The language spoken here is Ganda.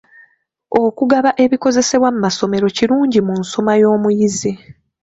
Okugaba ebikozesebwa mu masomero kirungi mu nsoma y'omuyizi.